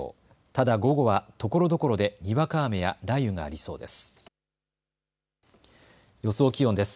ただ午後はところどころでにわか雨や雷雨がありそうです。